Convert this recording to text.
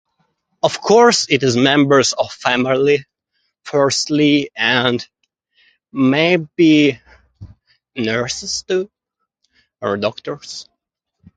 Of course it is members of family firstly and maybe nurses too or doctors.